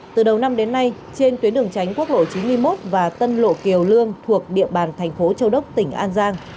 từ đầu năm đến nay trên tuyến đường tránh quốc lộ chín mươi một và tân lộ kiều lương thuộc địa bàn thành phố châu đốc tỉnh an giang